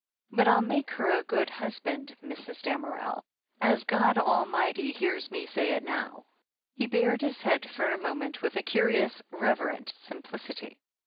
But I'll make her a good hus band, Mrs. Damerel, as God Almighty hears me say it now." He bared his head for a moment with a curious, reverent simplicity.